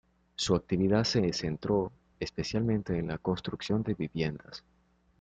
Su actividad se centró especialmente en la construcción de viviendas.